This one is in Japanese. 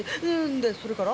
でそれから？